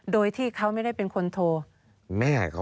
โดยที่เขาไม่ได้เป็นคนโทร